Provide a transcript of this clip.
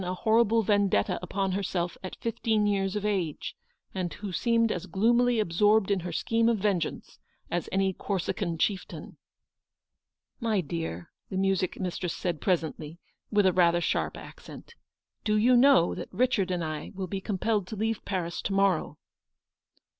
ISO a horrible vendetta upon herself at fifteen years of age, and who seemed as gloomily absorbed in her scheme of vengeance as any Corsican chieftain ? m My dear," the music mistress said presently, with rather a sharp accent, " do you know that Richard and I will be compelled to leave Paris to morrow ?